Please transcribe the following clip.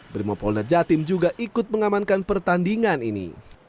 brimopolda jatim juga ikut mengamankan pertandingan ini